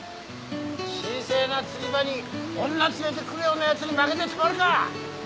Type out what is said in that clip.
神聖な釣り場に女連れてくるようなやつに負けてたまるか！